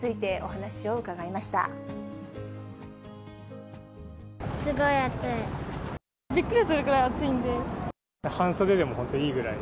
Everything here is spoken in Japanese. すごい暑い。